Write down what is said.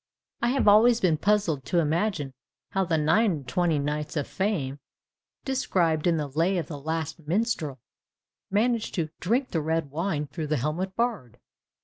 _ I have always been puzzled to imagine how the 'nine and twenty knights of fame,' described in the 'Lay of the Last Minstrel,' managed to 'drink the red wine through the helmet barr'd.